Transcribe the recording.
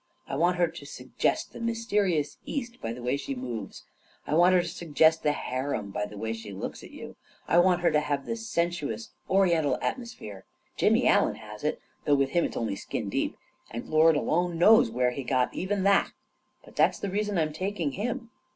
I want her to suggest the \ Mysterious East by the way she moves; I want her to suggest the harem by the way she looks at you. I want her to have the sensuous Oriental atmosphere. Jimmy Allen has it — though with him it's only skin deep ! and the Lord alone knows where he got even that I But that's the reason I'm taking him.